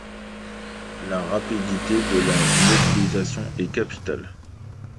La rapidité de la mobilisation est capitale.